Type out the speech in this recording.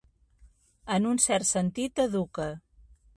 En un cert sentit, educa.